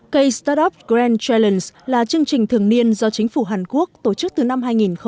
k startup grand challenge là chương trình thường niên do chính phủ hàn quốc tổ chức từ năm hai nghìn một mươi sáu